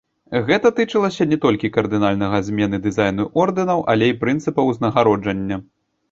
Гэта тычылася не толькі кардынальнага змены дызайну ордэнаў, але і прынцыпаў узнагароджання.